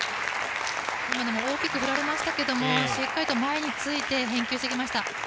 今のも大きく振られましたけどしっかりと前について返球してきました。